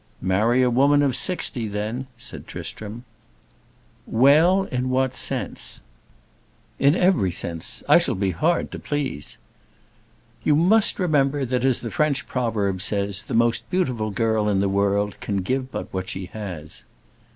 "Marry a woman of sixty, then," said Tristram. "'Well' in what sense?" "In every sense. I shall be hard to please." "You must remember that, as the French proverb says, the most beautiful girl in the world can give but what she has."